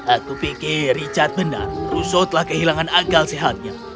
aku pikir richard benar russo telah kehilangan akal sehatnya